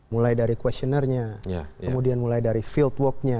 mulai dari questionernya kemudian mulai dari field worknya